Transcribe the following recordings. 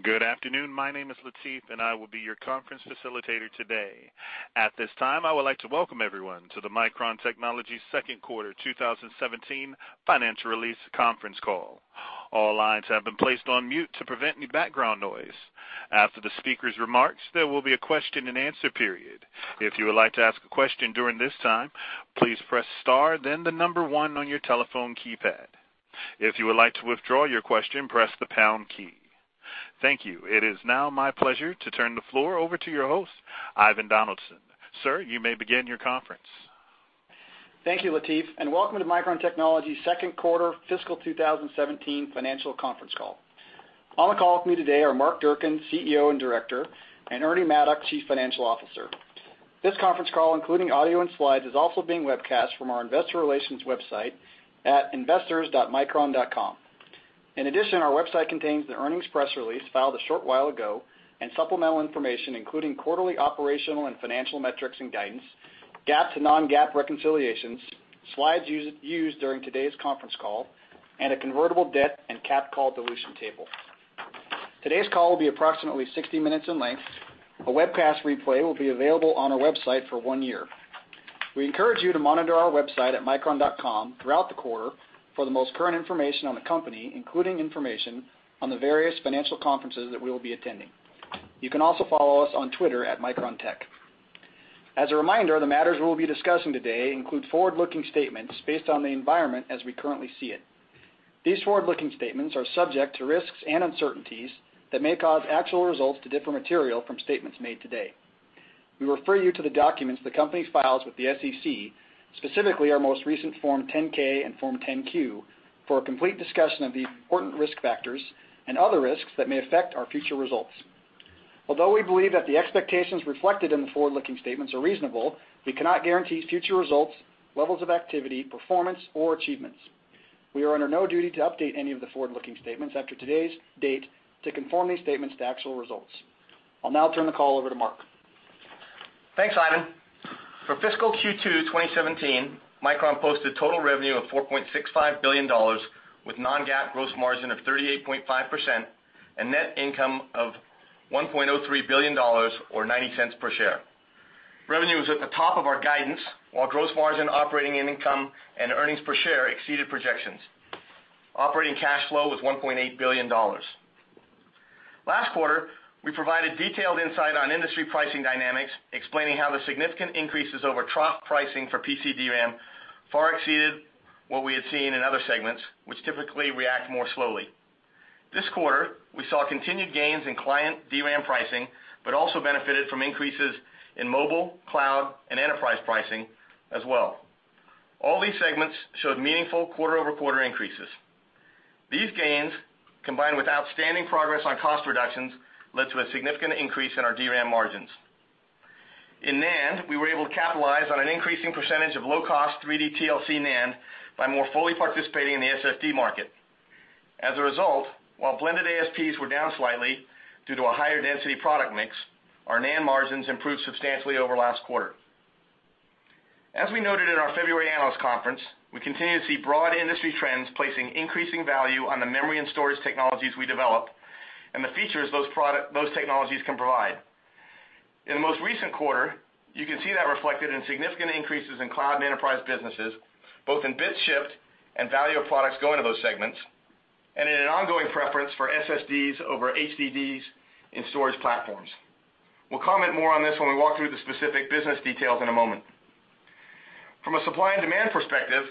Good afternoon. My name is Latif, and I will be your conference facilitator today. At this time, I would like to welcome everyone to the Micron Technology second quarter 2017 financial release conference call. All lines have been placed on mute to prevent any background noise. After the speaker's remarks, there will be a question and answer period. If you would like to ask a question during this time, please press star, then the number one on your telephone keypad. If you would like to withdraw your question, press the pound key. Thank you. It is now my pleasure to turn the floor over to your host, Ivan Donaldson. Sir, you may begin your conference. Thank you, Latif. Welcome to Micron Technology's second quarter fiscal 2017 financial conference call. On the call with me today are Mark Durcan, CEO and Director, and Ernie Maddock, Chief Financial Officer. This conference call, including audio and slides, is also being webcast from our investor relations website at investors.micron.com. In addition, our website contains the earnings press release filed a short while ago and supplemental information including quarterly operational and financial metrics and guidance, GAAP to non-GAAP reconciliations, slides used during today's conference call, and a convertible debt and cap call dilution table. Today's call will be approximately 60 minutes in length. A webcast replay will be available on our website for one year. We encourage you to monitor our website at micron.com throughout the quarter for the most current information on the company, including information on the various financial conferences that we will be attending. You can also follow us on Twitter at MicronTech. As a reminder, the matters we'll be discussing today include forward-looking statements based on the environment as we currently see it. These forward-looking statements are subject to risks and uncertainties that may cause actual results to differ material from statements made today. We refer you to the documents the company files with the SEC, specifically our most recent Form 10-K and Form 10-Q, for a complete discussion of the important risk factors and other risks that may affect our future results. Although we believe that the expectations reflected in the forward-looking statements are reasonable, we cannot guarantee future results, levels of activity, performance, or achievements. We are under no duty to update any of the forward-looking statements after today's date to conform these statements to actual results. I'll now turn the call over to Mark. Thanks, Ivan. For fiscal Q2 2017, Micron posted total revenue of $4.65 billion with non-GAAP gross margin of 38.5% and net income of $1.03 billion, or $0.90 per share. Revenue is at the top of our guidance, while gross margin operating income and earnings per share exceeded projections. Operating cash flow was $1.8 billion. Last quarter, we provided detailed insight on industry pricing dynamics, explaining how the significant increases over trough pricing for PC DRAM far exceeded what we had seen in other segments, which typically react more slowly. This quarter, we saw continued gains in client DRAM pricing, but also benefited from increases in mobile, cloud, and enterprise pricing as well. All these segments showed meaningful quarter-over-quarter increases. These gains, combined with outstanding progress on cost reductions, led to a significant increase in our DRAM margins. In NAND, we were able to capitalize on an increasing percentage of low-cost 3D TLC NAND by more fully participating in the SSD market. As a result, while blended ASPs were down slightly due to a higher density product mix, our NAND margins improved substantially over last quarter. As we noted in our February analyst conference, we continue to see broad industry trends placing increasing value on the memory and storage technologies we develop and the features those technologies can provide. In the most recent quarter, you can see that reflected in significant increases in cloud and enterprise businesses, both in bit shift and value of products going to those segments, and in an ongoing preference for SSDs over HDDs in storage platforms. We'll comment more on this when we walk through the specific business details in a moment. From a supply and demand perspective,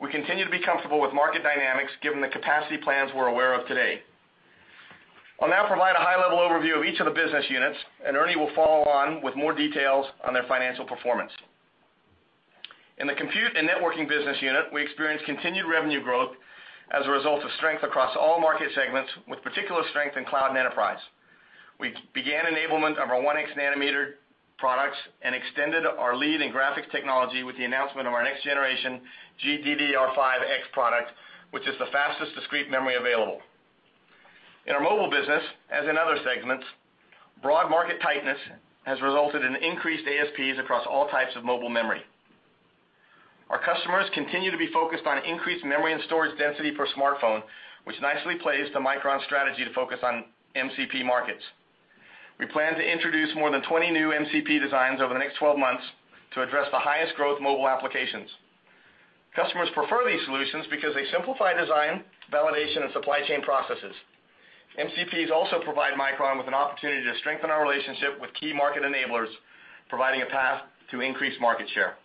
we continue to be comfortable with market dynamics given the capacity plans we're aware of today. I'll now provide a high-level overview of each of the business units, and Ernie will follow on with more details on their financial performance. In the compute and networking business unit, we experienced continued revenue growth as a result of strength across all market segments, with particular strength in cloud and enterprise. We began enablement of our 1x nanometer products and extended our lead in graphics technology with the announcement of our next generation GDDR5X product, which is the fastest discrete memory available. In our mobile business, as in other segments, broad market tightness has resulted in increased ASPs across all types of mobile memory. Our customers continue to be focused on increased memory and storage density per smartphone, which nicely plays to Micron's strategy to focus on MCP markets. We plan to introduce more than 20 new MCP designs over the next 12 months to address the highest growth mobile applications. Customers prefer these solutions because they simplify design, validation, and supply chain processes. MCPs also provide Micron with an opportunity to strengthen our relationship with key market enablers, providing a path to increase market share.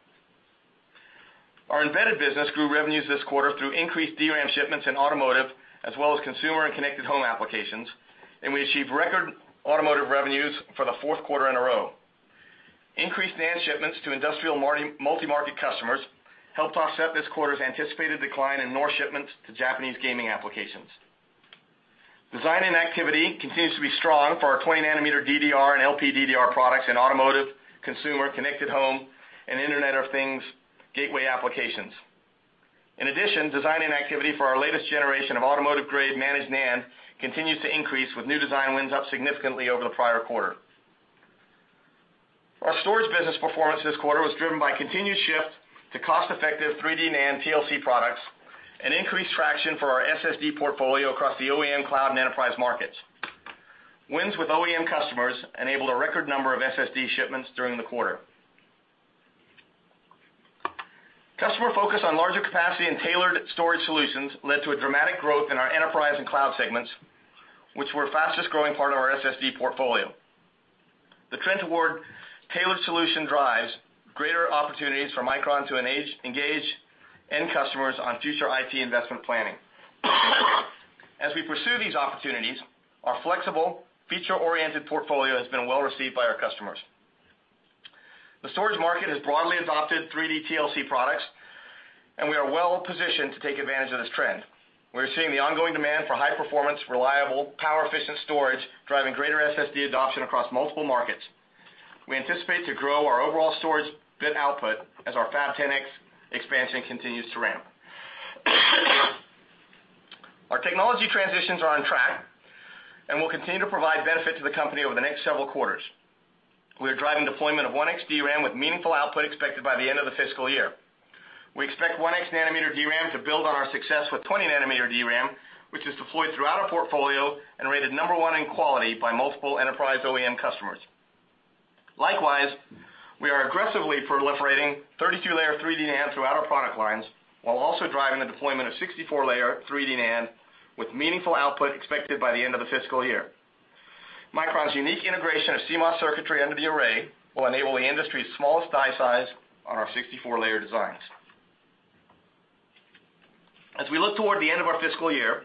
Our embedded business grew revenues this quarter through increased DRAM shipments in automotive, as well as consumer and connected home applications, and we achieved record automotive revenues for the fourth quarter in a row. Increased NAND shipments to industrial multi-market customers helped offset this quarter's anticipated decline in NOR shipments to Japanese gaming applications. Design-in activity continues to be strong for our 20 nanometer DDR and LPDDR products in automotive, consumer, connected home, and Internet of Things gateway applications. In addition, design-in activity for our latest generation of automotive-grade managed NAND continues to increase with new design wins up significantly over the prior quarter. Our storage business performance this quarter was driven by continued shift to cost-effective 3D NAND TLC products and increased traction for our SSD portfolio across the OEM cloud and enterprise markets. Wins with OEM customers enabled a record number of SSD shipments during the quarter. Customer focus on larger capacity and tailored storage solutions led to a dramatic growth in our enterprise and cloud segments, which were the fastest-growing part of our SSD portfolio. The trend toward tailored solution drives greater opportunities for Micron to engage end customers on future IT investment planning. As we pursue these opportunities, our flexible feature-oriented portfolio has been well-received by our customers. The storage market has broadly adopted 3D TLC products, and we are well positioned to take advantage of this trend. We are seeing the ongoing demand for high performance, reliable power efficient storage, driving greater SSD adoption across multiple markets. We anticipate to grow our overall storage bit output as our Fab 10X expansion continues to ramp. Our technology transitions are on track and will continue to provide benefit to the company over the next several quarters. We are driving deployment of 1x DRAM with meaningful output expected by the end of the fiscal year. We expect 1x nanometer DRAM to build on our success with 20-nanometer DRAM, which is deployed throughout our portfolio and rated number one in quality by multiple enterprise OEM customers. Likewise, we are aggressively proliferating 32-layer 3D NAND throughout our product lines, while also driving the deployment of 64-layer 3D NAND with meaningful output expected by the end of the fiscal year. Micron's unique integration of CMOS circuitry under the array will enable the industry's smallest die size on our 64-layer designs. As we look toward the end of our fiscal year,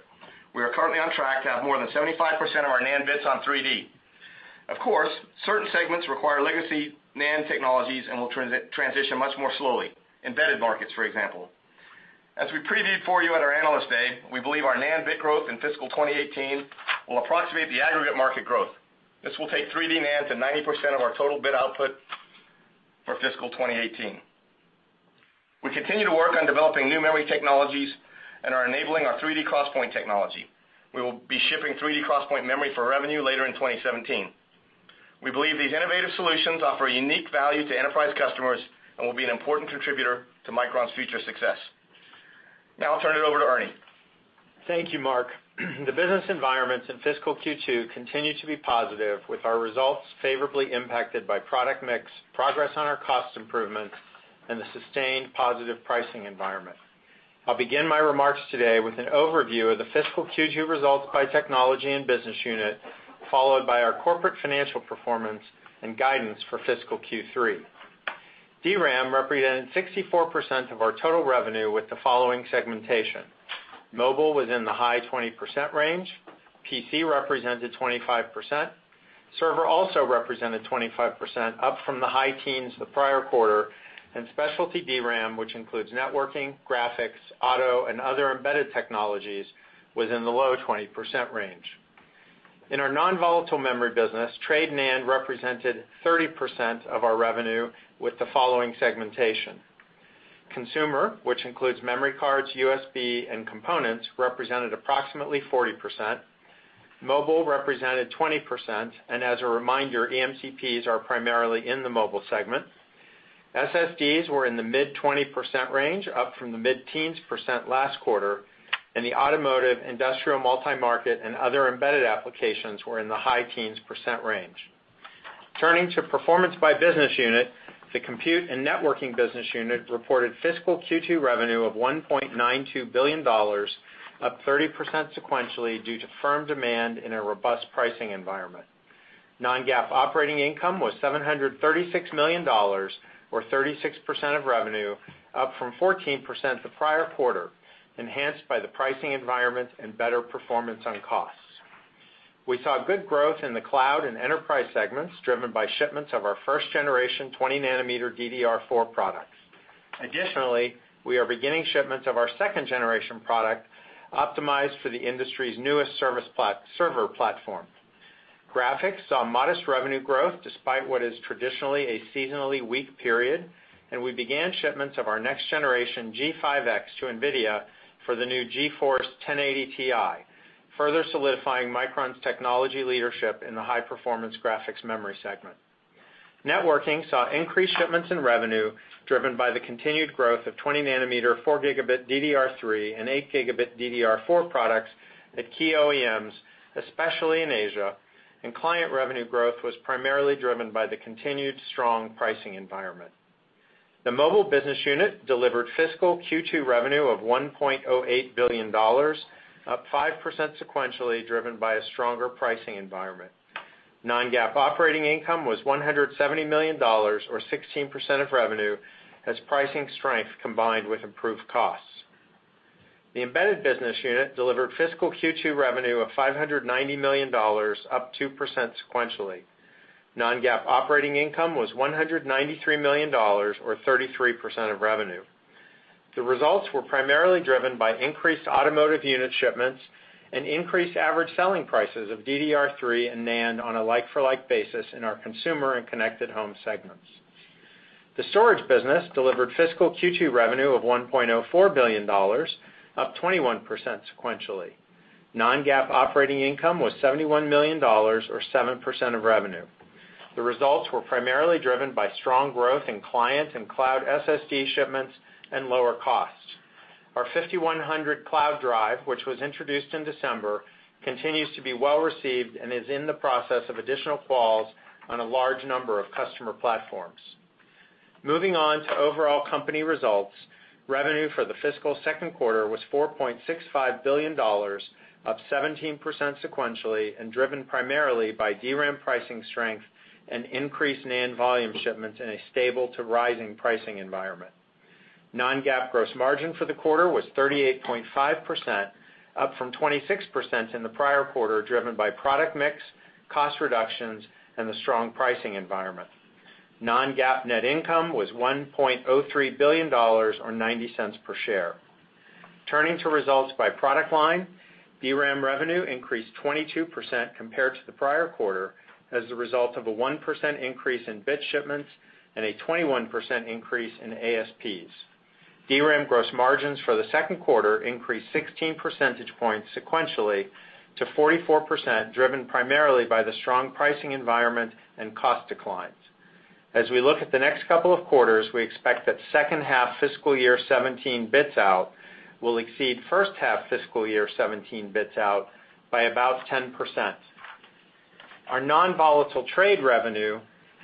we are currently on track to have more than 75% of our NAND bits on 3D. Of course, certain segments require legacy NAND technologies and will transition much more slowly. Embedded markets, for example. As we previewed for you at our Analyst Day, we believe our NAND bit growth in fiscal 2018 will approximate the aggregate market growth. This will take 3D NAND to 90% of our total bit output for fiscal 2018. We continue to work on developing new memory technologies and are enabling our 3D XPoint technology. We will be shipping 3D XPoint memory for revenue later in 2017. We believe these innovative solutions offer unique value to enterprise customers and will be an important contributor to Micron's future success. Now I'll turn it over to Ernie. Thank you, Mark. The business environment in fiscal Q2 continued to be positive, with our results favorably impacted by product mix, progress on our cost improvements, and the sustained positive pricing environment. I'll begin my remarks today with an overview of the fiscal Q2 results by technology and business unit, followed by our corporate financial performance and guidance for fiscal Q3. DRAM represented 64% of our total revenue with the following segmentation. Mobile was in the high 20% range. PC represented 25%. Server also represented 25%, up from the high teens the prior quarter, and specialty DRAM, which includes networking, graphics, auto, and other embedded technologies, was in the low 20% range. In our non-volatile memory business, trade NAND represented 30% of our revenue with the following segmentation. Consumer, which includes memory cards, USB, and components, represented approximately 40%. Mobile represented 20%, as a reminder, EMCPs are primarily in the mobile segment. SSDs were in the mid-20% range, up from the mid-teens percent last quarter, and the automotive, industrial multi-market, and other embedded applications were in the high teens percent range. Turning to performance by business unit, the compute and networking business unit reported fiscal Q2 revenue of $1.92 billion, up 30% sequentially due to firm demand in a robust pricing environment. Non-GAAP operating income was $736 million, or 36% of revenue, up from 14% the prior quarter, enhanced by the pricing environment and better performance on costs. We saw good growth in the cloud and enterprise segments, driven by shipments of our first generation 20 nanometer DDR4 products. Additionally, we are beginning shipments of our second generation product optimized for the industry's newest server platform. Graphics saw modest revenue growth despite what is traditionally a seasonally weak period. We began shipments of our next generation G5X to NVIDIA for the new GeForce 1080 Ti, further solidifying Micron's technology leadership in the high-performance graphics memory segment. Networking saw increased shipments in revenue driven by the continued growth of 20 nanometer 4 gigabit DDR3 and 8 gigabit DDR4 products at key OEMs, especially in Asia. Client revenue growth was primarily driven by the continued strong pricing environment. The mobile business unit delivered fiscal Q2 revenue of $1.08 billion, up 5% sequentially driven by a stronger pricing environment. Non-GAAP operating income was $170 million, or 16% of revenue, as pricing strength combined with improved costs. The embedded business unit delivered fiscal Q2 revenue of $590 million, up 2% sequentially. Non-GAAP operating income was $193 million, or 33% of revenue. The results were primarily driven by increased automotive unit shipments and increased average selling prices of DDR3 and NAND on a like-for-like basis in our consumer and connected home segment. The storage business delivered fiscal Q2 revenue of $1.04 billion, up 21% sequentially. Non-GAAP operating income was $71 million or 7% of revenue. The results were primarily driven by strong growth in client and cloud SSD shipments and lower costs. Our 5100 Cloud Drive, which was introduced in December, continues to be well-received and is in the process of additional quals on a large number of customer platforms. Moving on to overall company results, revenue for the fiscal second quarter was $4.65 billion, up 17% sequentially, driven primarily by DRAM pricing strength and increased NAND volume shipments in a stable to rising pricing environment. Non-GAAP gross margin for the quarter was 38.5%, up from 26% in the prior quarter, driven by product mix, cost reductions, and the strong pricing environment. Non-GAAP net income was $1.03 billion or $0.90 per share. Turning to results by product line, DRAM revenue increased 22% compared to the prior quarter as a result of a 1% increase in bit shipments and a 21% increase in ASPs. DRAM gross margins for the second quarter increased 16 percentage points sequentially to 44%, driven primarily by the strong pricing environment and cost declines. As we look at the next couple of quarters, we expect that second half fiscal year 2017 bits out will exceed first half fiscal year 2017 bits out by about 10%. Our non-volatile trade revenue,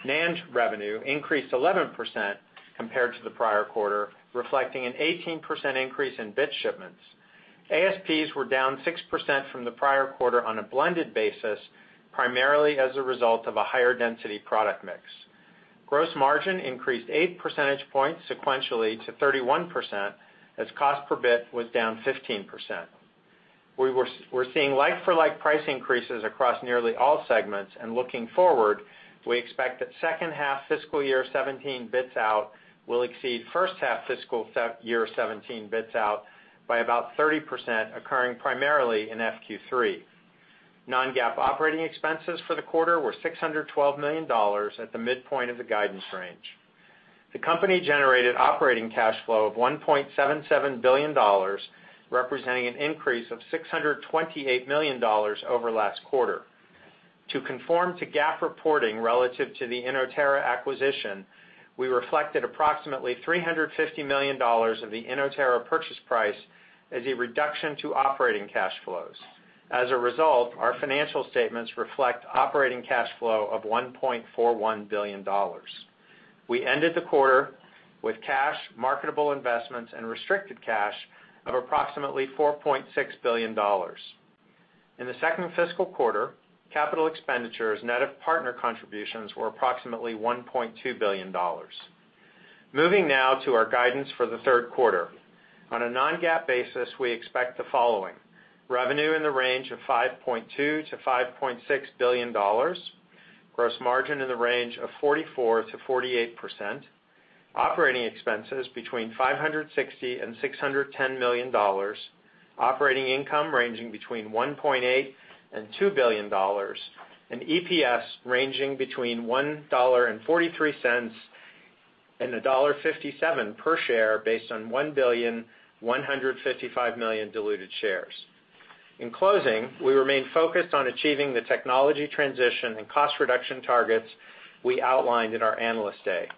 NAND revenue, increased 11% compared to the prior quarter, reflecting an 18% increase in bit shipments. ASPs were down 6% from the prior quarter on a blended basis, primarily as a result of a higher density product mix. Gross margin increased eight percentage points sequentially to 31%, as cost per bit was down 15%. We're seeing like-for-like price increases across nearly all segments. Looking forward, we expect that second half fiscal year 2017 bits out will exceed first half fiscal year 2017 bits out by about 30%, occurring primarily in FQ3. Non-GAAP operating expenses for the quarter were $612 million at the midpoint of the guidance range. The company generated operating cash flow of $1.77 billion, representing an increase of $628 million over last quarter. To conform to GAAP reporting relative to the Inotera acquisition, we reflected approximately $350 million of the Inotera purchase price as a reduction to operating cash flows. As a result, our financial statements reflect operating cash flow of $1.41 billion. We ended the quarter with cash, marketable investments, and restricted cash of approximately $4.6 billion. In the second fiscal quarter, capital expenditures net of partner contributions were approximately $1.2 billion. Moving now to our guidance for the third quarter. On a non-GAAP basis, we expect the following. Revenue in the range of $5.2 to $5.6 billion, gross margin in the range of 44%-48%, operating expenses between $560 and $610 million, operating income ranging between $1.8 and $2 billion, and EPS ranging between $1.43 and $1.57 per share based on 1,155,000,000 diluted shares. In closing, we remain focused on achieving the technology transition and cost reduction targets we outlined at our Analyst Day.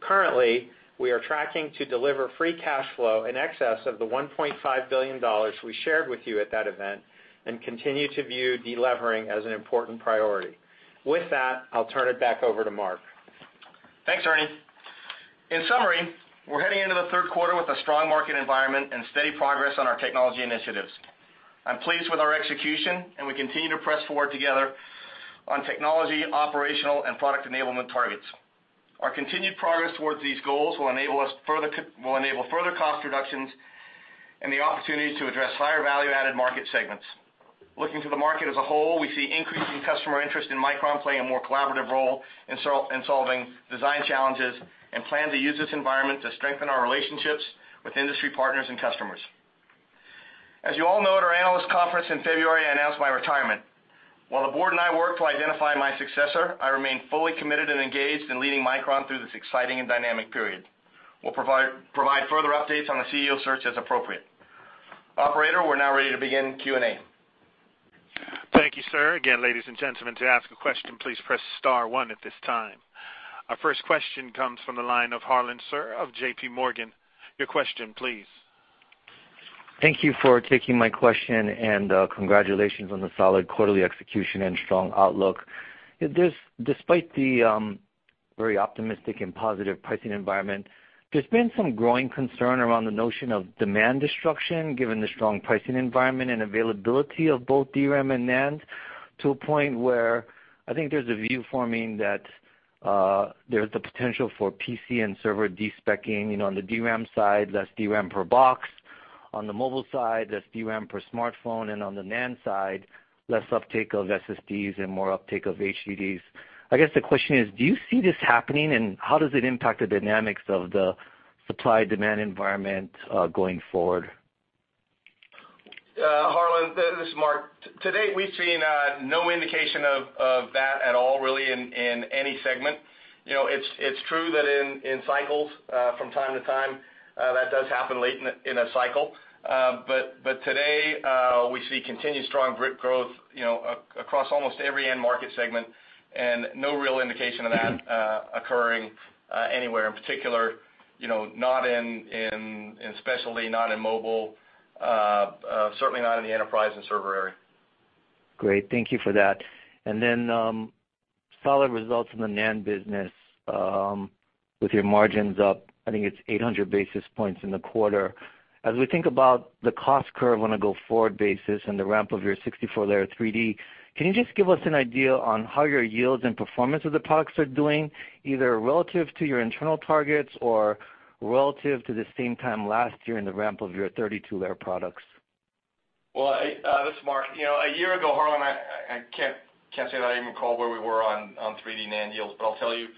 Currently, we are tracking to deliver free cash flow in excess of the $1.5 billion we shared with you at that event and continue to view de-levering as an important priority. With that, I'll turn it back over to Mark. Thanks, Ernie. In summary, we're heading into the third quarter with a strong market environment and steady progress on our technology initiatives. I'm pleased with our execution, and we continue to press forward together on technology, operational, and product enablement targets. Our continued progress towards these goals will enable further cost reductions and the opportunity to address higher value-added market segments. Looking to the market as a whole, we see increasing customer interest in Micron playing a more collaborative role in solving design challenges and plan to use this environment to strengthen our relationships with industry partners and customers. As you all know, at our analyst conference in February, I announced my retirement. While the board and I work to identify my successor, I remain fully committed and engaged in leading Micron through this exciting and dynamic period. We'll provide further updates on the CEO search as appropriate. Operator, we're now ready to begin Q&A. Thank you, sir. Again, ladies and gentlemen, to ask a question, please press star one at this time. Our first question comes from the line of Harlan Sur of JPMorgan. Your question, please. Thank you for taking my question, congratulations on the solid quarterly execution and strong outlook. Despite the very optimistic and positive pricing environment, there's been some growing concern around the notion of demand destruction, given the strong pricing environment and availability of both DRAM and NAND, to a point where I think there's a view forming that there's the potential for PC and server de-speccing. On the DRAM side, less DRAM per box. On the mobile side, less DRAM per smartphone, on the NAND side, less uptake of SSDs and more uptake of HDDs. I guess the question is, do you see this happening, and how does it impact the dynamics of the supply-demand environment going forward? Harlan, this is Mark. To date, we've seen no indication of that at all really in any segment. It's true that in cycles, from time to time, that does happen late in a cycle. Today, we see continued strong growth across almost every end market segment and no real indication of that occurring anywhere, in particular, not in specialty, not in mobile, certainly not in the enterprise and server area. Great. Thank you for that. Solid results in the NAND business with your margins up, I think it's 800 basis points in the quarter. As we think about the cost curve on a go-forward basis and the ramp of your 64-layer 3D, can you just give us an idea on how your yields and performance of the products are doing, either relative to your internal targets or relative to the same time last year in the ramp of your 32-layer products? This is Mark. A year ago, Harlan, I can't say that I even recall where we were on 3D NAND yields. I'll tell you,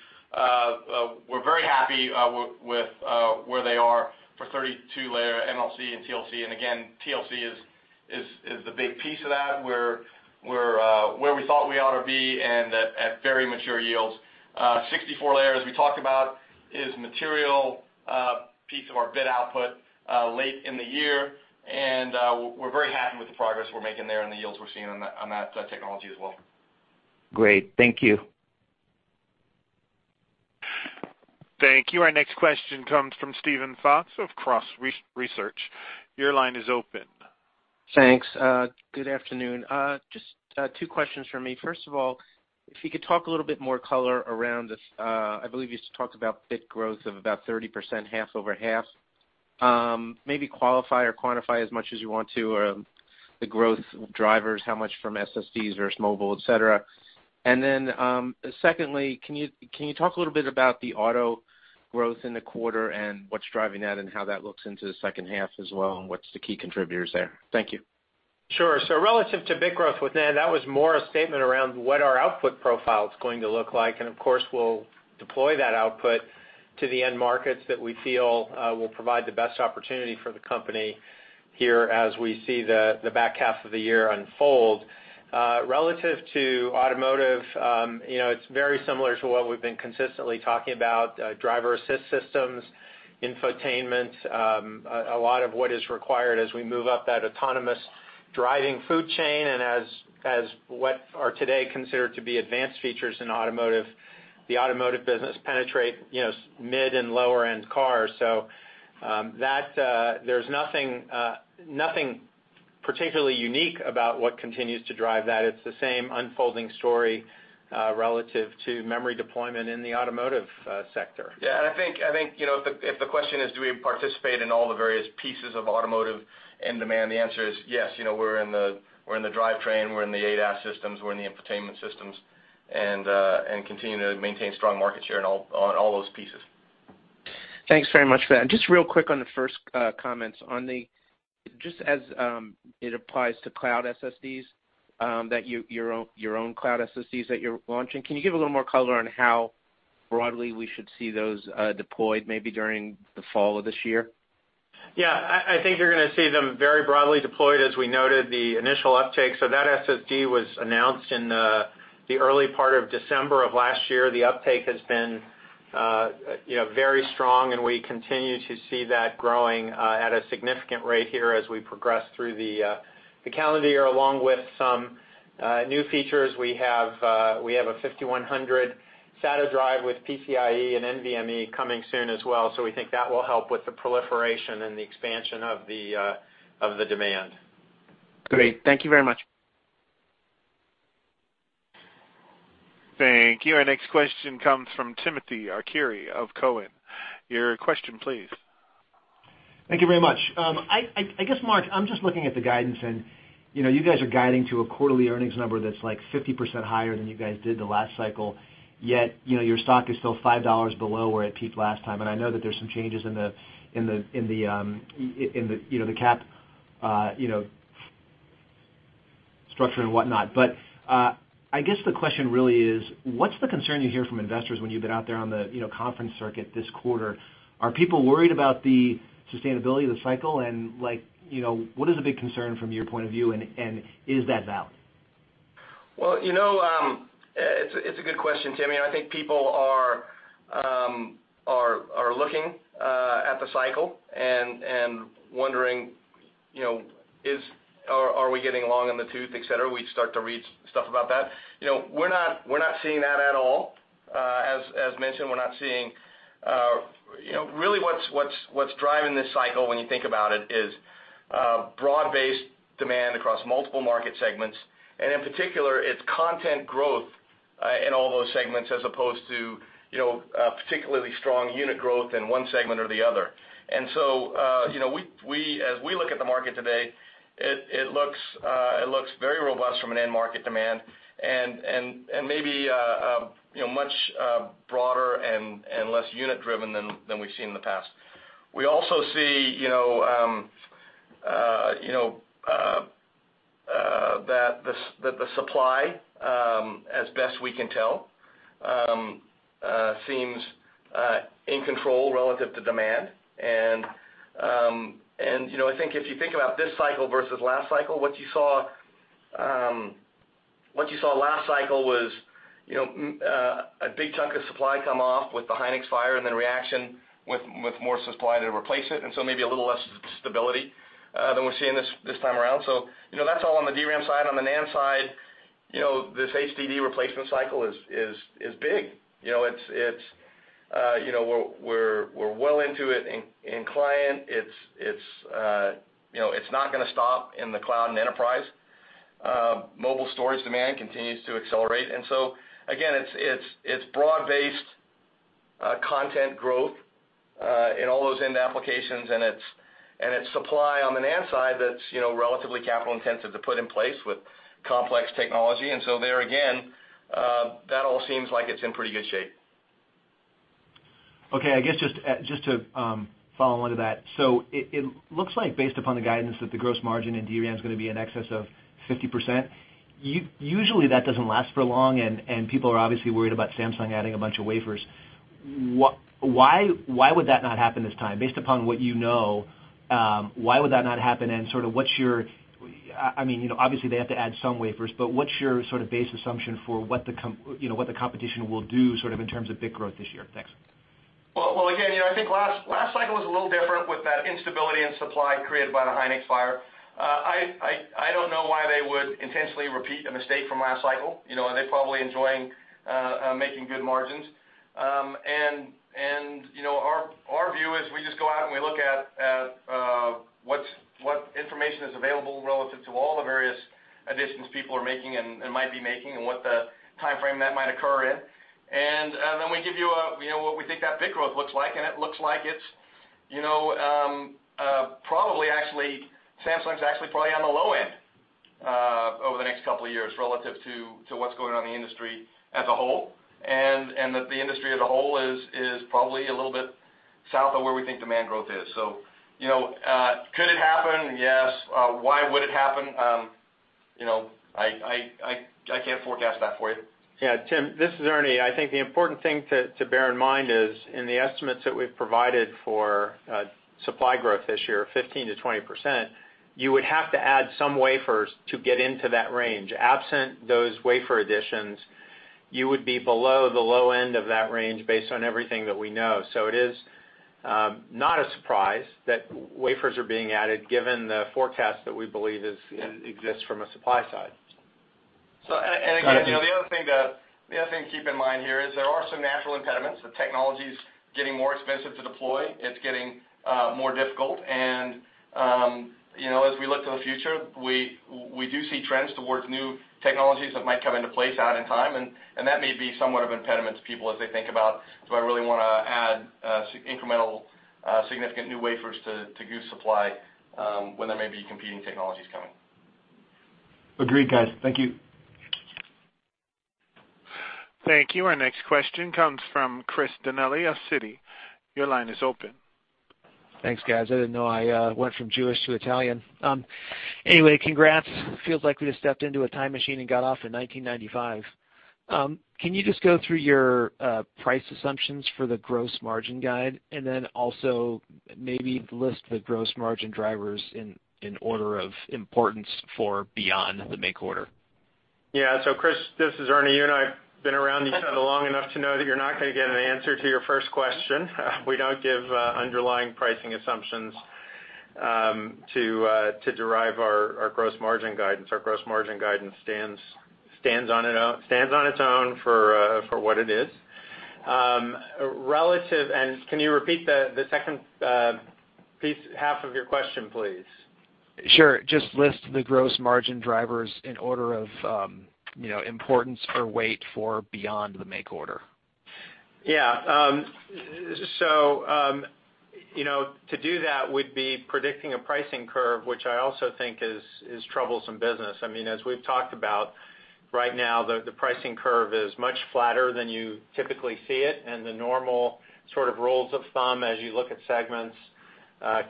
we're very happy with where they are for 32-layer MLC and TLC. Again, TLC is the big piece of that. We're where we thought we ought to be, and at very mature yields. 64-layer, as we talked about, is material piece of our bit output late in the year, and we're very happy with the progress we're making there and the yields we're seeing on that technology as well. Great. Thank you. Thank you. Our next question comes from Steven Fox of Cross Research. Your line is open. Thanks. Good afternoon. Just two questions from me. First of all, if you could talk a little bit more color around this, I believe you talked about bit growth of about 30%, half over half. Maybe qualify or quantify as much as you want to the growth drivers, how much from SSDs versus mobile, et cetera. Secondly, can you talk a little bit about the auto growth in the quarter and what's driving that and how that looks into the second half as well, and what's the key contributors there? Thank you. Sure. Relative to bit growth with NAND, that was more a statement around what our output profile is going to look like. We'll deploy that output to the end markets that we feel will provide the best opportunity for the company here as we see the back half of the year unfold. Relative to automotive, it's very similar to what we've been consistently talking about, driver-assist systems, infotainment, a lot of what is required as we move up that autonomous driving food chain, and as what are today considered to be advanced features in automotive, the automotive business penetrate mid and lower-end cars. There's nothing particularly unique about what continues to drive that. It's the same unfolding story relative to memory deployment in the automotive sector. If the question is do we participate in all the various pieces of automotive end demand, the answer is yes. We're in the drivetrain, we're in the ADAS systems, we're in the infotainment systems, and continue to maintain strong market share on all those pieces. Thanks very much for that. Real quick on the first comments, just as it applies to cloud SSDs, your own cloud SSDs that you're launching, can you give a little more color on how broadly we should see those deployed, maybe during the fall of this year? I think you're going to see them very broadly deployed. As we noted, the initial uptake, that SSD was announced in the early part of December of last year. The uptake has been very strong, and we continue to see that growing at a significant rate here as we progress through the calendar year, along with some new features. We have a 5100 SATA drive with PCIE and NVMe coming soon as well. We think that will help with the proliferation and the expansion of the demand. Great. Thank you very much. Thank you. Our next question comes from Timothy Arcuri of Cowen. Your question, please. Thank you very much. I guess, Mark, I'm just looking at the guidance. You guys are guiding to a quarterly earnings number that's 50% higher than you guys did the last cycle, yet your stock is still $5 below where it peaked last time. I know that there's some changes in the cap structure and whatnot. I guess the question really is, what's the concern you hear from investors when you've been out there on the conference circuit this quarter? Are people worried about the sustainability of the cycle, and what is a big concern from your point of view, and is that valid? Well, it's a good question, Tim. I think people are looking at the cycle and wondering are we getting long in the tooth, et cetera. We start to read stuff about that. We're not seeing that at all. As mentioned, really what's driving this cycle when you think about it is broad-based demand across multiple market segments. In particular, it's content growth in all those segments as opposed to particularly strong unit growth in one segment or the other. As we look at the market today, it looks very robust from an end market demand and maybe much broader and less unit-driven than we've seen in the past. We also see that the supply, as best we can tell, seems in control relative to demand. I think if you think about this cycle versus last cycle, what you saw last cycle was a big chunk of supply come off with the Hynix fire and then reaction with more supply to replace it. Maybe a little less stability than we're seeing this time around. That's all on the DRAM side. On the NAND side, this HDD replacement cycle is big. We're well into it in client. It's not going to stop in the cloud and enterprise. Mobile storage demand continues to accelerate. Again, it's broad-based content growth in all those end applications, and it's supply on the NAND side that's relatively capital-intensive to put in place with complex technology. There again, that all seems like it's in pretty good shape. Okay. I guess just to follow onto that, it looks like based upon the guidance that the gross margin in DRAM is going to be in excess of 50%. Usually, that doesn't last for long, and people are obviously worried about Samsung adding a bunch of wafers. Why would that not happen this time? Based upon what you know, why would that not happen, and sort of what's your obviously, they have to add some wafers, but what's your sort of base assumption for what the competition will do sort of in terms of bit growth this year? Thanks. Well, again, I think last cycle was a little different with that instability and supply created by the Hynix fire. I don't know why they would intentionally repeat a mistake from last cycle. They're probably enjoying making good margins. Our view is we just go out and we look at what information is available relative to all the various additions people are making and might be making, and what the timeframe that might occur in. Then we give you what we think that bit growth looks like, and it looks like it's probably actually, Samsung's actually probably on the low end over the next couple of years relative to what's going on in the industry as a whole, and that the industry as a whole is probably a little bit south of where we think demand growth is. Could it happen? Yes. Why would it happen? I can't forecast that for you. Yeah, Tim, this is Ernie. I think the important thing to bear in mind is in the estimates that we've provided for supply growth this year of 15%-20%, you would have to add some wafers to get into that range. Absent those wafer additions, you would be below the low end of that range based on everything that we know. It is not a surprise that wafers are being added given the forecast that we believe exists from a supply side. Again, the other thing to keep in mind here is there are some natural impediments. The technology's getting more expensive to deploy. It's getting more difficult. As we look to the future, we do see trends towards new technologies that might come into place out in time, and that may be somewhat of an impediment to people as they think about, do I really want to add incremental significant new wafers to goose supply when there may be competing technologies coming? Agreed, guys. Thank you. Thank you. Our next question comes from Chris Danely of Citi. Your line is open. Thanks, guys. I didn't know I went from Jewish to Italian. Anyway, congrats. It feels like we just stepped into a time machine and got off in 1995. Can you just go through your price assumptions for the gross margin guide, and then also maybe list the gross margin drivers in order of importance for beyond the make order? Chris, this is Ernie. You and I have been around each other long enough to know that you're not going to get an answer to your first question. We don't give underlying pricing assumptions to derive our gross margin guidance. Our gross margin guidance stands on its own for what it is. Relative, can you repeat the second half of your question, please? Sure. Just list the gross margin drivers in order of importance or weight for beyond the make order. To do that would be predicting a pricing curve, which I also think is troublesome business. As we've talked about, right now, the pricing curve is much flatter than you typically see it, and the normal sort of rules of thumb as you look at segments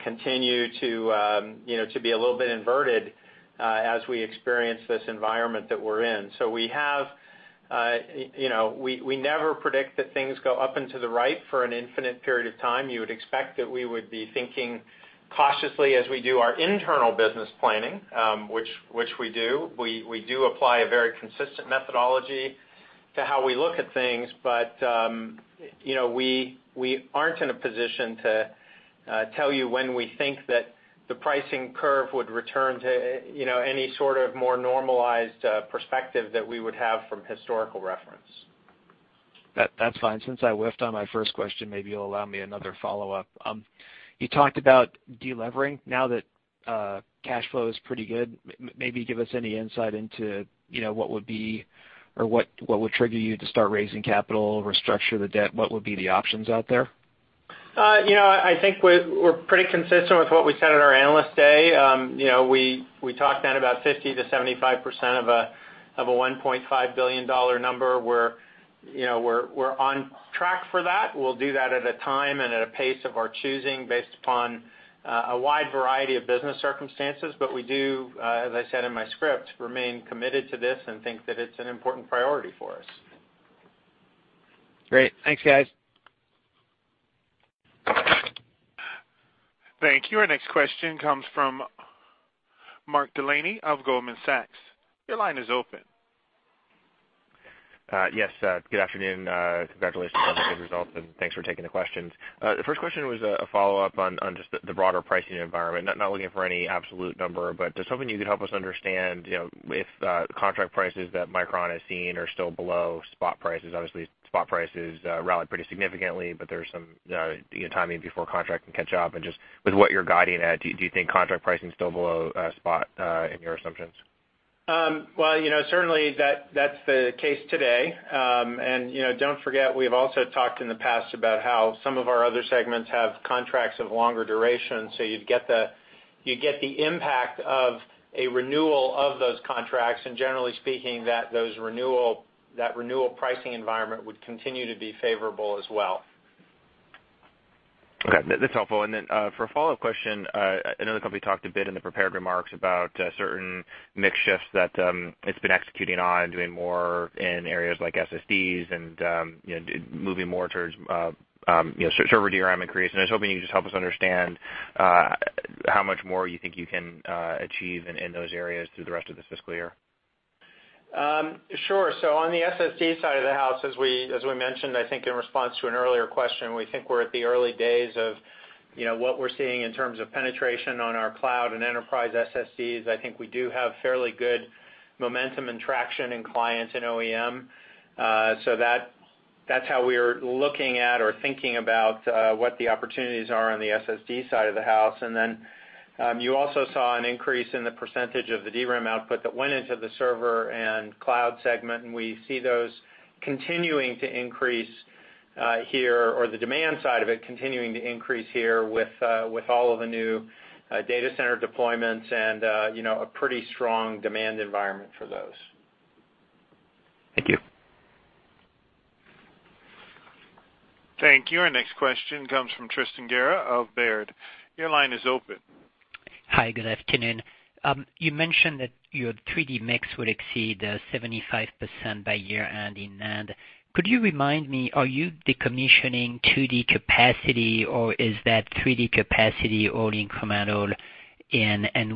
continue to be a little bit inverted as we experience this environment that we're in. We never predict that things go up and to the right for an infinite period of time. You would expect that we would be thinking cautiously as we do our internal business planning, which we do. We do apply a very consistent methodology to how we look at things. We aren't in a position to tell you when we think that the pricing curve would return to any sort of more normalized perspective that we would have from historical reference. That's fine. Since I whiffed on my first question, maybe you'll allow me another follow-up. You talked about de-levering. Now that cash flow is pretty good, maybe give us any insight into what would be, or what would trigger you to start raising capital, restructure the debt. What would be the options out there? I think we're pretty consistent with what we said at our Analyst Day. We talked then about 50%-75% of a $1.5 billion number. We're on track for that. We'll do that at a time and at a pace of our choosing based upon a wide variety of business circumstances. We do, as I said in my script, remain committed to this and think that it's an important priority for us. Great. Thanks, guys. Thank you. Our next question comes from Mark Delaney of Goldman Sachs. Your line is open. Yes. Good afternoon. Congratulations on the good results, thanks for taking the questions. The first question was a follow-up on just the broader pricing environment, not looking for any absolute number, but just hoping you could help us understand, if the contract prices that Micron has seen are still below spot prices. Obviously, spot prices rallied pretty significantly, but the timing before contract can catch up and just with what you're guiding at, do you think contract pricing is still below spot in your assumptions? Well, certainly that's the case today. Don't forget, we've also talked in the past about how some of our other segments have contracts of longer duration. You'd get the impact of a renewal of those contracts, generally speaking, that renewal pricing environment would continue to be favorable as well. Okay. That's helpful. Then, for a follow-up question, I know the company talked a bit in the prepared remarks about certain mix shifts that it's been executing on and doing more in areas like SSDs and moving more towards server DRAM increase, I was hoping you could just help us understand, how much more you think you can achieve in those areas through the rest of the fiscal year. On the SSD side of the house, as we mentioned, I think in response to an earlier question, we think we're at the early days of what we're seeing in terms of penetration on our cloud and enterprise SSDs. I think we do have fairly good momentum and traction in clients and OEM. That's how we are looking at or thinking about what the opportunities are on the SSD side of the house. You also saw an increase in the percentage of the DRAM output that went into the server and cloud segment, and we see those continuing to increase here, or the demand side of it continuing to increase here with all of the new data center deployments and a pretty strong demand environment for those. Thank you. Thank you. Our next question comes from Tristan Gerra of Baird. Your line is open. Hi, good afternoon. You mentioned that your 3D mix would exceed 75% by year-end in NAND. Could you remind me, are you decommissioning 2D capacity or is that 3D capacity all incremental?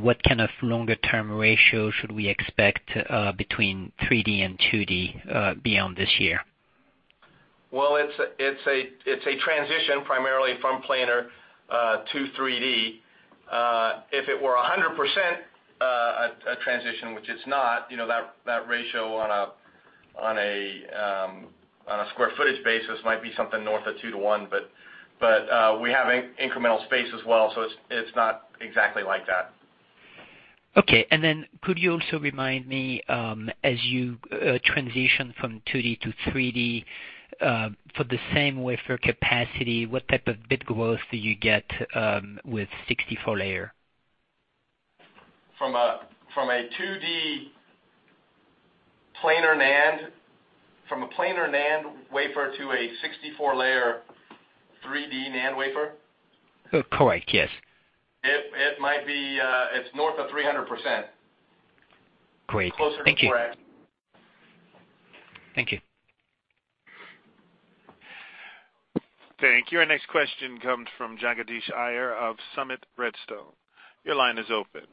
What kind of longer-term ratio should we expect between 3D and 2D beyond this year? Well, it's a transition primarily from planar to 3D. If it were 100% a transition, which it's not, that ratio on a square footage basis might be something north of 2 to 1. We have incremental space as well, it's not exactly like that. Okay. Could you also remind me, as you transition from 2D to 3D, for the same wafer capacity, what type of bit growth do you get with 64-layer? From a 2D planar NAND, from a planar NAND wafer to a 64-layer 3D NAND wafer? Correct. Yes. It's north of 300%. Great. Thank you. Closer to 4X. Thank you. Thank you. Our next question comes from Jagadish Iyer of Summit Redstone. Your line is open.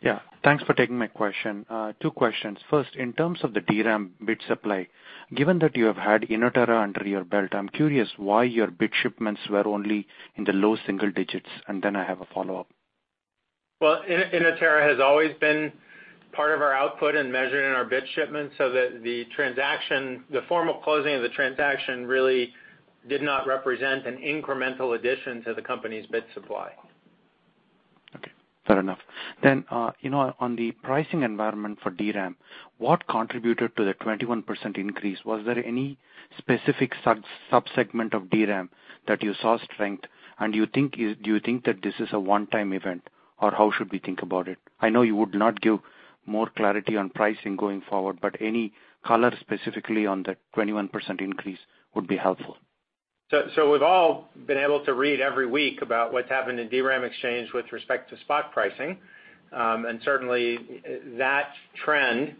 Yeah. Thanks for taking my question. Two questions. First, in terms of the DRAM bit supply, given that you have had Inotera under your belt, I'm curious why your bit shipments were only in the low single digits, and then I have a follow-up. Well, Inotera has always been part of our output and measured in our bit shipments. The formal closing of the transaction really did not represent an incremental addition to the company's bit supply. Okay. Fair enough. On the pricing environment for DRAM, what contributed to the 21% increase? Was there any specific sub-segment of DRAM that you saw strength, and do you think that this is a one-time event, or how should we think about it? I know you would not give more clarity on pricing going forward, but any color specifically on that 21% increase would be helpful. We've all been able to read every week about what's happened in DRAMeXchange with respect to spot pricing. Certainly, that trend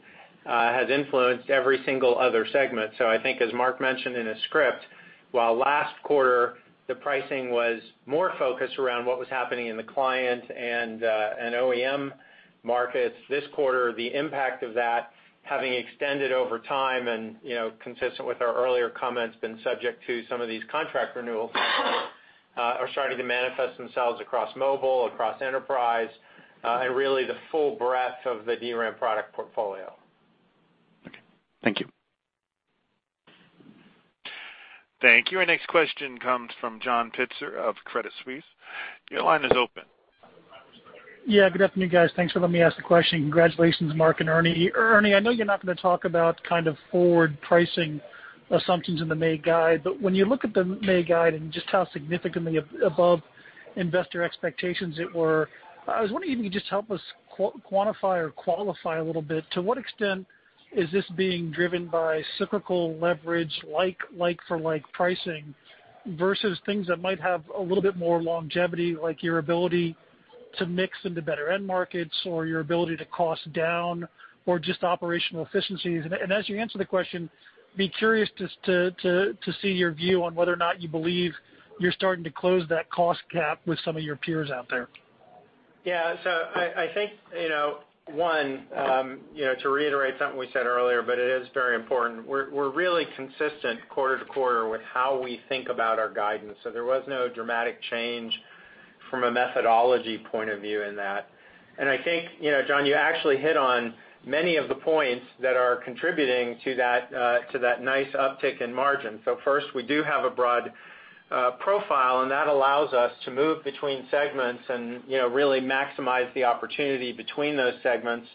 has influenced every single other segment. I think as Mark mentioned in his script, while last quarter the pricing was more focused around what was happening in the client and OEM markets, this quarter, the impact of that having extended over time and, consistent with our earlier comments, been subject to some of these contract renewals are starting to manifest themselves across mobile, across enterprise, and really the full breadth of the DRAM product portfolio. Okay. Thank you. Thank you. Our next question comes from John Pitzer of Credit Suisse. Your line is open. Good afternoon, guys. Thanks for letting me ask the question. Congratulations, Mark and Ernie. Ernie, I know you're not going to talk about kind of forward pricing assumptions in the May guide, but when you look at the May guide and just how significantly above investor expectations it were, I was wondering if you could just help us quantify or qualify a little bit to what extent is this being driven by cyclical leverage like for like pricing versus things that might have a little bit more longevity, like your ability to mix into better end markets or your ability to cost down or just operational efficiencies. As you answer the question, be curious to see your view on whether or not you believe you're starting to close that cost gap with some of your peers out there. Yeah. I think, one, to reiterate something we said earlier, but it is very important, we're really consistent quarter to quarter with how we think about our guidance. There was no dramatic change from a methodology point of view in that. I think, John, you actually hit on many of the points that are contributing to that nice uptick in margin. First, we do have a broad profile, and that allows us to move between segments and really maximize the opportunity between those segments.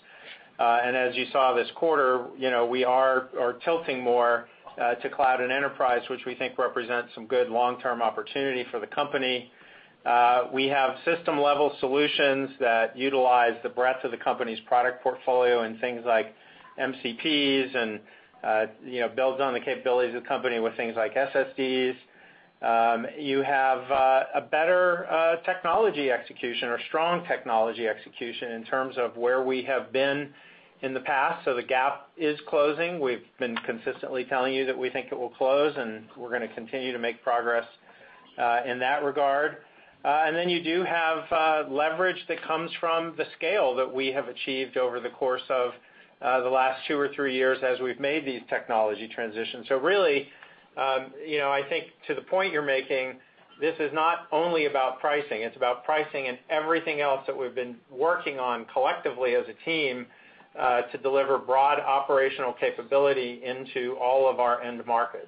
As you saw this quarter, we are tilting more to cloud and enterprise, which we think represents some good long-term opportunity for the company. We have system-level solutions that utilize the breadth of the company's product portfolio and things like MCPs and builds on the capabilities of the company with things like SSDs. You have a better technology execution or strong technology execution in terms of where we have been in the past. The gap is closing. We've been consistently telling you that we think it will close, and we're going to continue to make progress in that regard. Then you do have leverage that comes from the scale that we have achieved over the course of the last two or three years as we've made these technology transitions. Really, I think to the point you're making, this is not only about pricing. It's about pricing and everything else that we've been working on collectively as a team, to deliver broad operational capability into all of our end markets.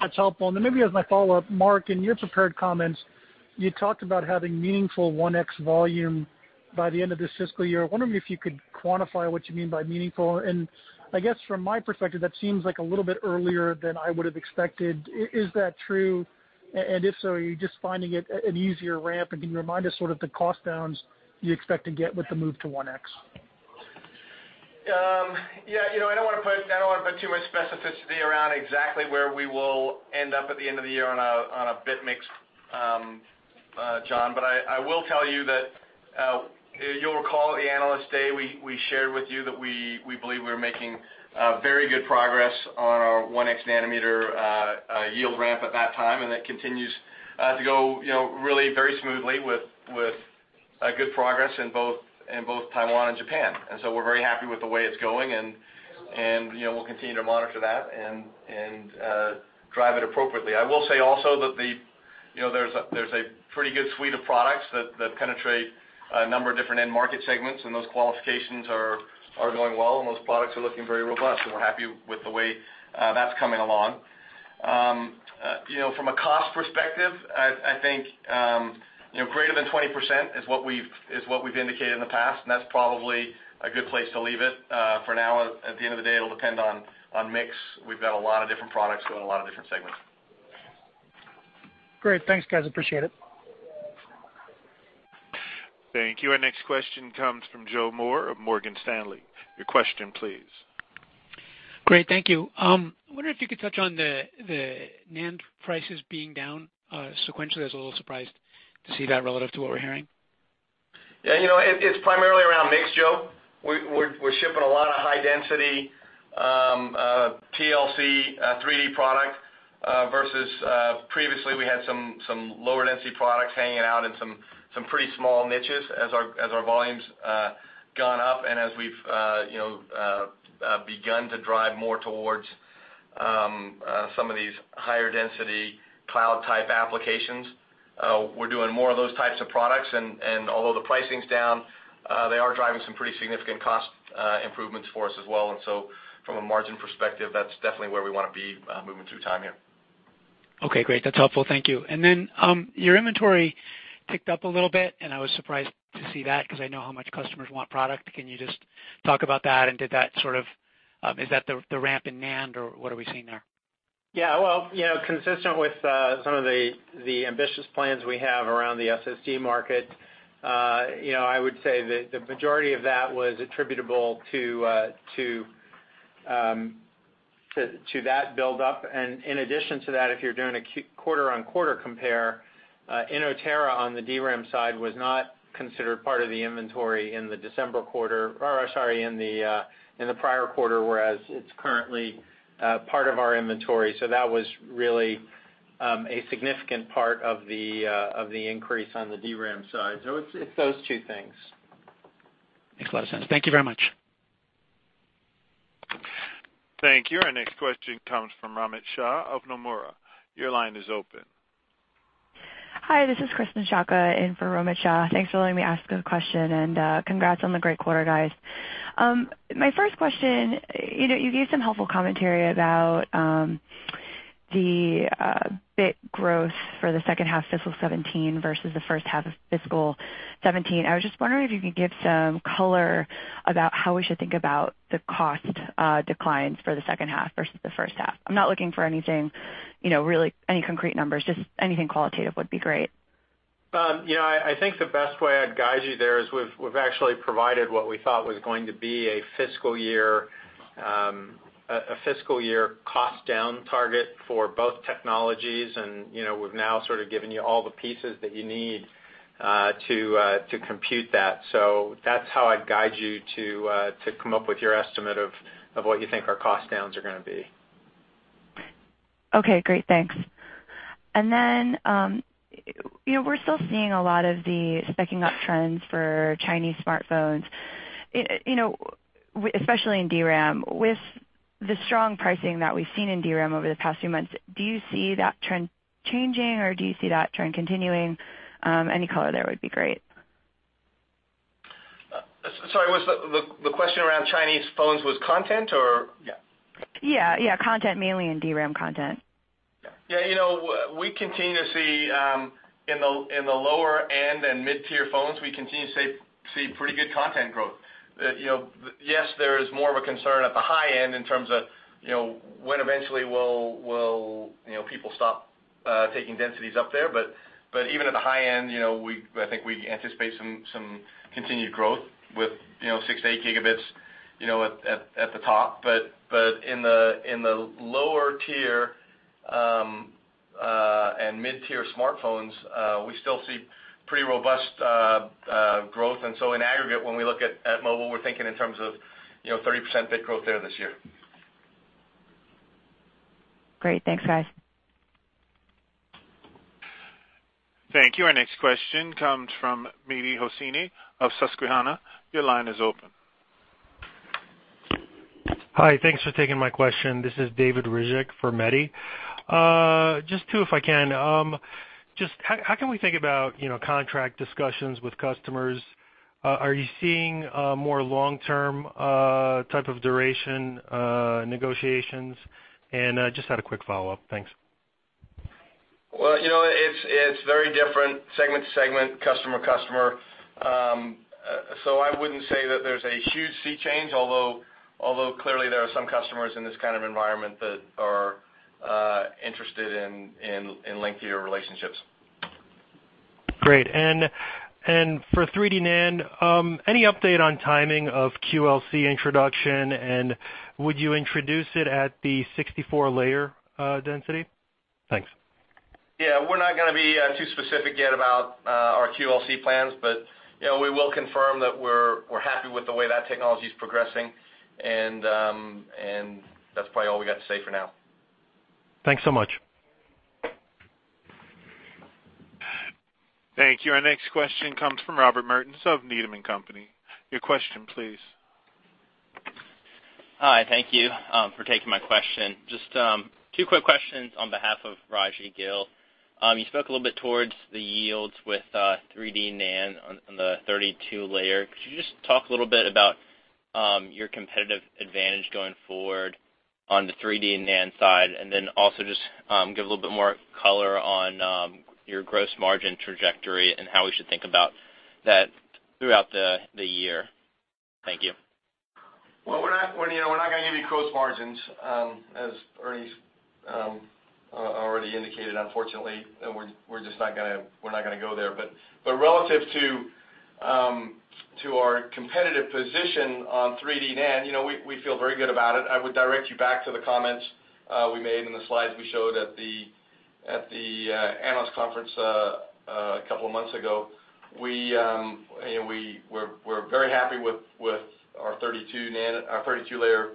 That's helpful. Then maybe as my follow-up, Mark, in your prepared comments, you talked about having meaningful 1X volume by the end of this fiscal year. I wonder if you could quantify what you mean by meaningful. And I guess from my perspective, that seems a little bit earlier than I would have expected. Is that true? And if so, are you just finding it an easier ramp? And can you remind us sort of the cost downs you expect to get with the move to 1X? Yeah. I don't want to put too much specificity around exactly where we will end up at the end of the year on a bit mix, John, but I will tell you that, you'll recall at the Analyst Day, we shared with you that we believe we were making very good progress on our 1x nanometer yield ramp at that time, and that continues to go really very smoothly with good progress in both Taiwan and Japan. We're very happy with the way it's going, and we'll continue to monitor that and drive it appropriately. I will say also that there's a pretty good suite of products that penetrate a number of different end market segments, and those qualifications are going well, and those products are looking very robust. We're happy with the way that's coming along. From a cost perspective, I think, greater than 20% is what we've indicated in the past, and that's probably a good place to leave it. For now, at the end of the day, it'll depend on mix. We've got a lot of different products going, a lot of different segments. Great. Thanks, guys. Appreciate it. Thank you. Our next question comes from Joseph Moore of Morgan Stanley. Your question, please. Great. Thank you. I wonder if you could touch on the NAND prices being down sequentially. I was a little surprised to see that relative to what we're hearing. It's primarily around mix, Joe. We're shipping a lot of high-density, TLC 3D product, versus previously we had some lower density products hanging out in some pretty small niches as our volumes have gone up and as we've begun to drive more towards some of these higher density cloud-type applications. We're doing more of those types of products, although the pricing's down, they are driving some pretty significant cost improvements for us as well. From a margin perspective, that's definitely where we want to be moving through time here. Okay, great. That's helpful. Thank you. Your inventory ticked up a little bit, I was surprised to see that because I know how much customers want product. Can you just talk about that, is that the ramp in NAND, or what are we seeing there? Well, consistent with some of the ambitious plans we have around the SSD market, I would say that the majority of that was attributable to that buildup. In addition to that, if you're doing a quarter-on-quarter compare, Inotera on the DRAM side was not considered part of the inventory in the prior quarter, whereas it's currently part of our inventory. That was really a significant part of the increase on the DRAM side. It's those two things. Makes a lot of sense. Thank you very much. Thank you. Our next question comes from Romit Shah of Nomura. Your line is open. Hi, this is Krysten Sciacca in for Romit Shah. Thanks for letting me ask a question, and congrats on the great quarter, guys. My first question, you gave some helpful commentary about the bit growth for the second half fiscal 2017 versus the first half of fiscal 2017. I was just wondering if you could give some color about how we should think about the cost declines for the second half versus the first half. I'm not looking for anything, really any concrete numbers, just anything qualitative would be great. I think the best way I'd guide you there is we've actually provided what we thought was going to be a fiscal year cost-down target for both technologies, and we've now sort of given you all the pieces that you need to compute that. That's how I'd guide you to come up with your estimate of what you think our cost downs are going to be. Okay, great. Thanks. Then, we're still seeing a lot of the speccing-up trends for Chinese smartphones, especially in DRAM. With the strong pricing that we've seen in DRAM over the past few months, do you see that trend changing, or do you see that trend continuing? Any color there would be great. Sorry, the question around Chinese phones was content or Yeah? Yeah. Content, mainly in DRAM content. Yeah. We continue to see, in the lower end and mid-tier phones, we continue to see pretty good content growth. Yes, there is more of a concern at the high end in terms of when eventually will people stop taking densities up there. Even at the high end, I think we anticipate some continued growth with 6 to 8 gigabits at the top. In the lower tier, and mid-tier smartphones, we still see pretty robust growth. In aggregate, when we look at mobile, we're thinking in terms of 30% bit growth there this year. Great. Thanks, guys. Thank you. Our next question comes from Mehdi Hosseini of Susquehanna. Your line is open. Hi, thanks for taking my question. This is David Ryzhik for Mehdi. Just two, if I can. Just how can we think about contract discussions with customers? Are you seeing a more long-term type of duration negotiations? Just had a quick follow-up. Thanks. Well, it's very different segment to segment, customer to customer. I wouldn't say that there's a huge sea change, although clearly there are some customers in this kind of environment that are interested in lengthier relationships. Great. For 3D NAND, any update on timing of QLC introduction, and would you introduce it at the 64-layer density? Thanks. Yeah, we're not going to be too specific yet about our QLC plans, but we will confirm that we're happy with the way that technology is progressing. That's probably all we got to say for now. Thanks so much. Thank you. Our next question comes from Quinn Bolton of Needham & Company. Your question, please. Hi, thank you for taking my question. Just two quick questions on behalf of Rajvindra Gill. You spoke a little bit towards the yields with 32-layer 3D NAND. Could you just talk a little bit about your competitive advantage going forward on the 3D NAND side? Then also just give a little bit more color on your gross margin trajectory and how we should think about that throughout the year. Thank you. Well, we're not going to give you gross margins, as Ernie's already indicated, unfortunately, we're not going to go there. Relative to our competitive position on 3D NAND, we feel very good about it. I would direct you back to the comments we made and the slides we showed at the analyst conference a couple of months ago. We're very happy with our 32-layer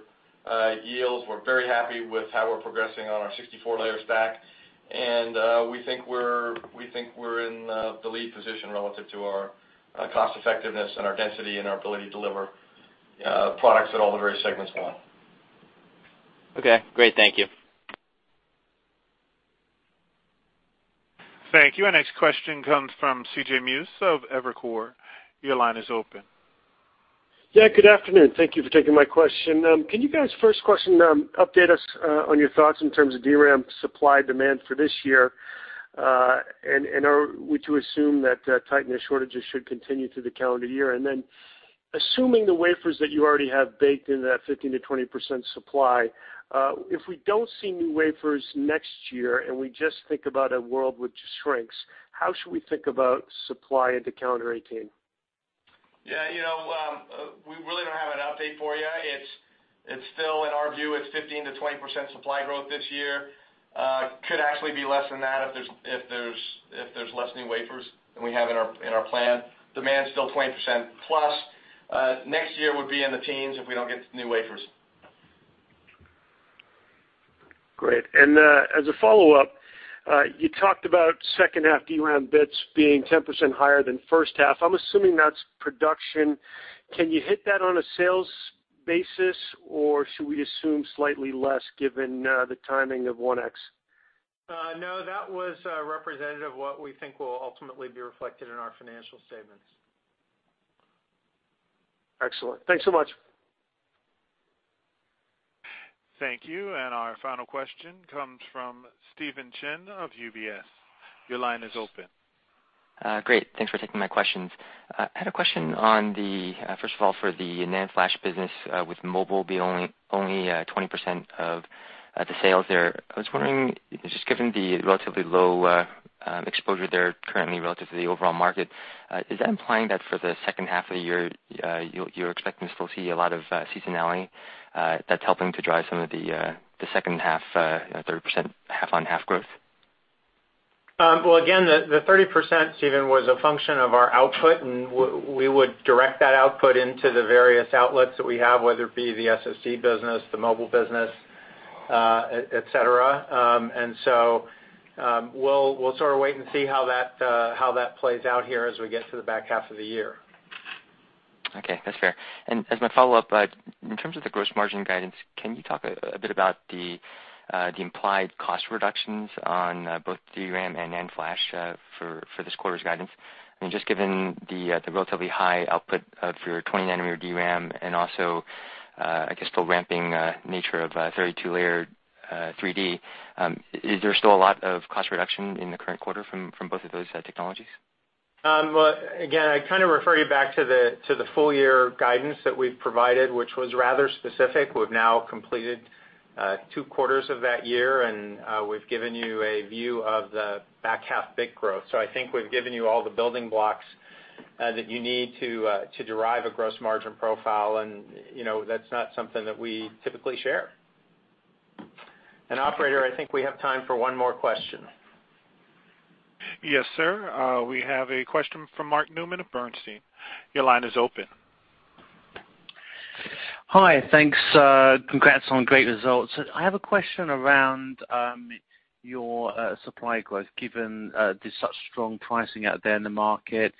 yields. We're very happy with how we're progressing on our 64-layer stack, and we think we're in the lead position relative to our cost effectiveness and our density and our ability to deliver products that all the various segments want. Okay, great. Thank you. Thank you. Our next question comes from C.J. Muse of Evercore. Your line is open. Yeah, good afternoon. Thank you for taking my question. Can you guys, first question, update us on your thoughts in terms of DRAM supply-demand for this year? Are we to assume that tightness shortages should continue through the calendar year? Assuming the wafers that you already have baked in that 15%-20% supply, if we don't see new wafers next year, and we just think about a world which shrinks, how should we think about supply into calendar 2018? Yeah. We really don't have an update for you. It's still, in our view, it's 15%-20% supply growth this year. Could actually be less than that if there's less new wafers than we have in our plan. Demand is still 20% plus. Next year would be in the teens if we don't get new wafers. Great. As a follow-up, you talked about second half DRAM bits being 10% higher than first half. I'm assuming that's production. Can you hit that on a sales basis, or should we assume slightly less given the timing of 1x? No, that was representative of what we think will ultimately be reflected in our financial statements. Excellent. Thanks so much. Thank you. Our final question comes from Stephen Chin of UBS. Your line is open. Great. Thanks for taking my questions. I had a question, first of all, for the NAND flash business, with mobile being only 20% of the sales there. I was wondering, just given the relatively low exposure there currently relative to the overall market, is that implying that for the second half of the year, you're expecting to still see a lot of seasonality that's helping to drive some of the second half, 30% half-on-half growth? Well, again, the 30%, Stephen, was a function of our output, and we would direct that output into the various outlets that we have, whether it be the SSD business, the mobile business, et cetera. We'll sort of wait and see how that plays out here as we get to the back half of the year. Okay. That's fair. As my follow-up, in terms of the gross margin guidance, can you talk a bit about the implied cost reductions on both DRAM and NAND flash for this quarter's guidance? I mean, just given the relatively high output of your 20-nanometer DRAM and also, I guess, the ramping nature of 32-layer 3D, is there still a lot of cost reduction in the current quarter from both of those technologies? Again, I kind of refer you back to the full-year guidance that we've provided, which was rather specific. We've now completed two quarters of that year, and we've given you a view of the back half bit growth. I think we've given you all the building blocks that you need to derive a gross margin profile, and that's not something that we typically share. Operator, I think we have time for one more question. Yes, sir. We have a question from Mark Newman of Bernstein. Your line is open. Hi. Thanks. Congrats on great results. I have a question around your supply growth, given there's such strong pricing out there in the market.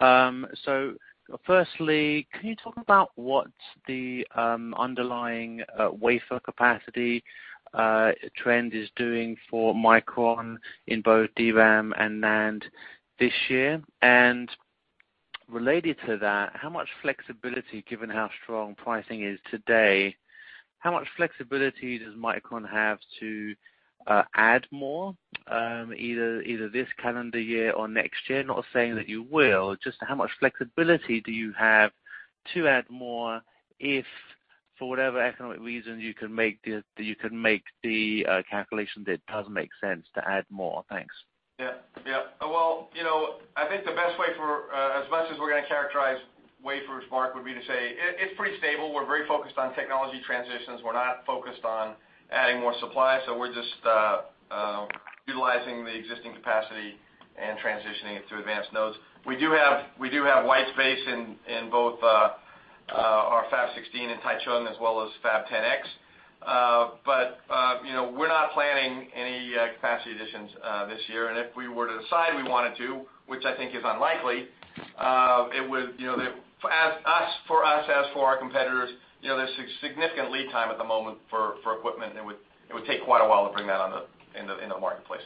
Firstly, can you talk about what the underlying wafer capacity trend is doing for Micron in both DRAM and NAND this year? Related to that, how much flexibility, given how strong pricing is today, how much flexibility does Micron have to add more, either this calendar year or next year? Not saying that you will, just how much flexibility do you have to add more if, for whatever economic reasons, you can make the calculation that it does make sense to add more? Thanks. Well, I think the best way, as much as we're going to characterize wafers, Mark, would be to say it's pretty stable. We're very focused on technology transitions. We're not focused on adding more supply. We're just utilizing the existing capacity and transitioning it to advanced nodes. We do have white space in both our Fab 16 in Taichung as well as Fab 10X. We're not planning any capacity additions this year. If we were to decide we wanted to, which I think is unlikely, for us, as for our competitors, there's significant lead time at the moment for equipment. It would take quite a while to bring that into the marketplace.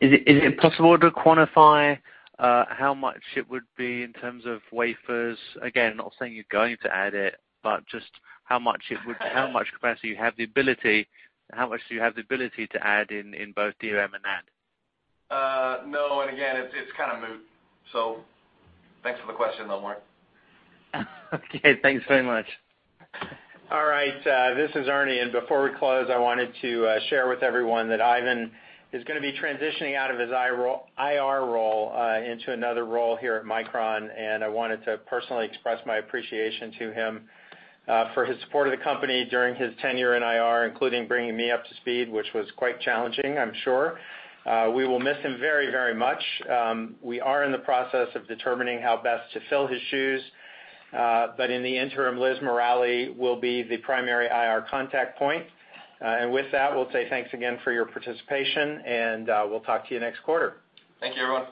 Is it possible to quantify how much it would be in terms of wafers? Again, not saying you're going to add it, but just how much capacity you have the ability to add in both DRAM and NAND. No. Again, it's kind of moot. Thanks for the question, though, Mark. Okay. Thanks very much. All right. This is Ernie. Before we close, I wanted to share with everyone that Ivan is going to be transitioning out of his IR role into another role here at Micron, and I wanted to personally express my appreciation to him for his support of the company during his tenure in IR, including bringing me up to speed, which was quite challenging, I'm sure. We will miss him very, very much. We are in the process of determining how best to fill his shoes. In the interim, Liz Morali will be the primary IR contact point. With that, we'll say thanks again for your participation, and we'll talk to you next quarter. Thank you, everyone.